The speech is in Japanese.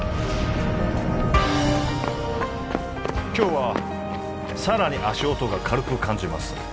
今日はさらに足音が軽く感じます